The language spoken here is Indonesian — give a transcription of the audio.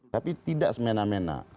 tapi tidak semena mena